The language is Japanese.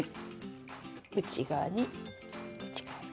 内側に内側に。